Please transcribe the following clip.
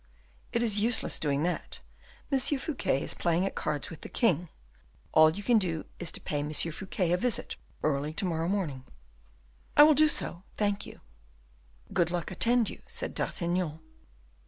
"It is useless doing that; M. Fouquet is playing at cards with the king. All you can do is to pay M. Fouquet a visit early to morrow morning." "I will do so. Thank you." "Good luck attend you," said D'Artagnan.